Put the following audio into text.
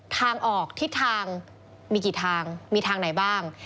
ทางออกทิศทางมีกี่ทางมีทางไหนบ้าง